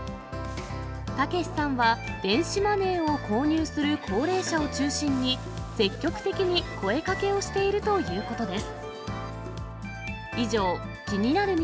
剛さんは、電子マネーを購入する高齢者を中心に、積極的に声かけをしているということです。